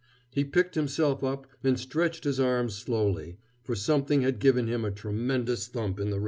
He picked himself up and stretched his arms slowly, for something had given him a tremendous thump in the ribs.